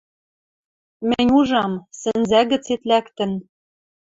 Мӹнь ужам, сӹнзӓ гӹцет лӓктӹн